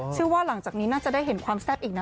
เชื่อว่าหลังจากนี้น่าจะได้เห็นความแซ่บอีกนะ